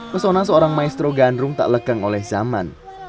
pesona seorang maestro gandrung tak lekang oleh zaman